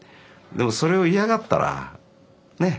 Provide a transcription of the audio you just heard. でもそれを嫌がったらね？